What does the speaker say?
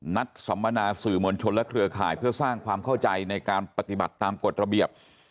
สัมมนาสื่อมวลชนและเครือข่ายเพื่อสร้างความเข้าใจในการปฏิบัติตามกฎระเบียบ